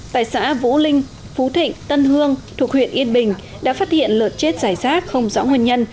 tại xã vũ linh phú thịnh tân hương thuộc huyện yên bình đã phát hiện lượt chết giải rác không rõ nguyên nhân